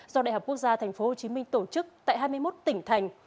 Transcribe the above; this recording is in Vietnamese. do đại học quốc gia thành phố hồ chí minh tổ chức tại hai mươi một tỉnh thành